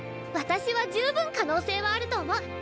私は十分可能性はあると思う。